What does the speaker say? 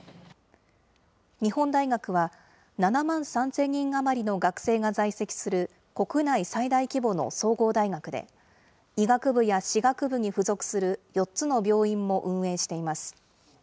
日本大学は７万３０００人余りの学生が在籍する国内最大規模の総合大学で、医学部や歯学部に付属する４つの病院も運営しています。